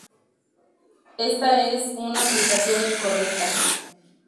Esta es una aplicación incorrecta.